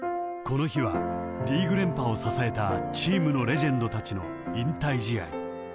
［この日はリーグ連覇を支えたチームのレジェンドたちの引退試合］